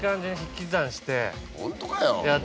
ホントかよ？